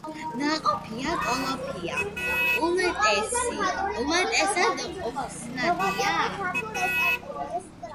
ნაყოფი კოლოფია, უმეტესად უხსნადი.